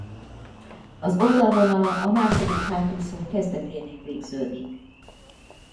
Az oldalvonala a második hátúszó kezdeténél végződik.